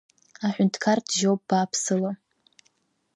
Аҳәынҭқар джьоуп бааԥсыла.